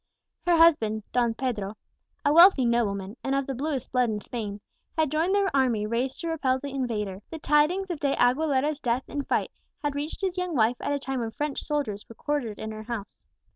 Her husband, Don Pedro, a wealthy nobleman, and of the bluest blood in Spain, had joined the army raised to repel the invader. The tidings of De Aguilera's death in fight had reached his young wife at a time when French soldiers were quartered in her house.